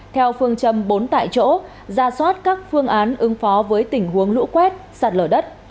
theo phương châm bốn tại chỗ ra soát các phương án ứng phó với tình huống lũ quét sạt lở đất